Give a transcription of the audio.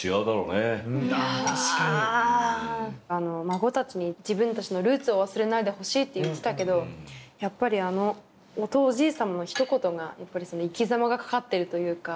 孫たちに自分たちのルーツを忘れないでほしいって言ってたけどやっぱりあのおじいさんのひと言が生きざまが懸かっているというか。